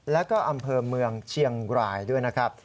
แล้วก็อำเภอเมืองเชียงรายด้วยนะครับ